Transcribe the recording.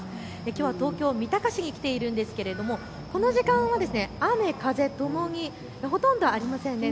きょうは東京三鷹市に来ているんですがこの時間は雨風ともにほとんどありません。